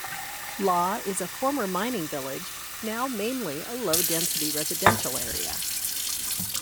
Law is a former mining village, now mainly a low density residential area.